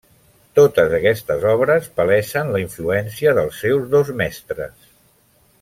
Totes aquestes obres palesen la influència dels seus dos mestres.